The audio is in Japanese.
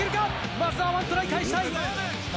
松田は１トライ返したい。